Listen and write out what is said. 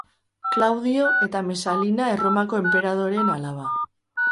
Klaudio eta Mesalina Erromako enperadoreen alaba.